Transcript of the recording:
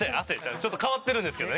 ちょっと変わってるんですけどね